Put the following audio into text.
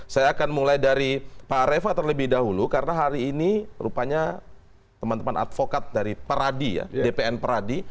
saya akan mulai dari pak reva terlebih dahulu karena hari ini rupanya teman teman advokat dari peradi ya dpn peradi